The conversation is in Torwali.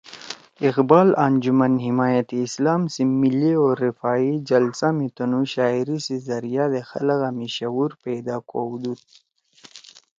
اقبال انجمن حمایت اسلام سی ملّی او رفاعی جلسہ می تنُو شاعری سی زریعہ دے خلَگا می شعور پیدا کؤدُود